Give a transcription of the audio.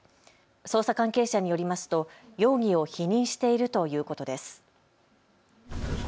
捜査関係者によりますと容疑を否認しているということです。